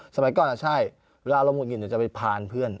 สมัยก่อนอ่ะใช่เวลาอารมณ์หมดหยินจะไปพานเพื่อน